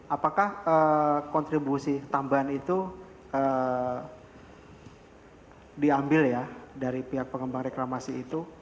apakah kontribusi tambahan itu diambil ya dari pihak pengembang reklamasi itu